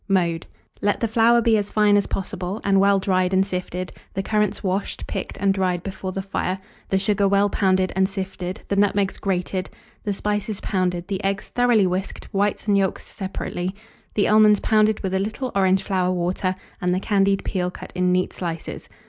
Mode. Let the flour be as fine as possible, and well dried and sifted; the currants washed, picked, and dried before the fire; the sugar well pounded and sifted; the nutmegs grated, the spices pounded; the eggs thoroughly whisked, whites and yolks separately; the almonds pounded with a little orange flower water, and the candied peel cut in neat slices.